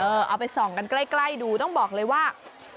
เอาไปส่องกันใกล้ดูต้องบอกเลยว่า